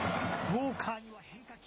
ウォーカーには変化球。